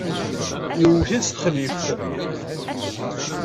Yewwet-itt s texlift.